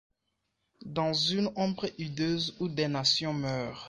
Dans une ombre hideuse où des nations meurent